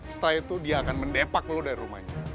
setelah itu dia akan mendepak lu dari rumahnya